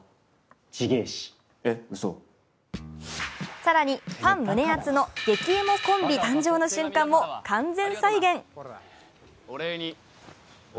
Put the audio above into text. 更に、ファン胸熱の激エモコンビ誕生の瞬間も完全再現。